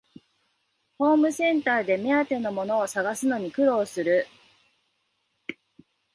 ホームセンターで目当てのものを探すのに苦労する